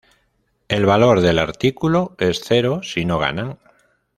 El valor del artículo es cero si no ganan.